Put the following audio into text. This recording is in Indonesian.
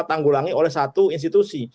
tanggulangi oleh satu institusi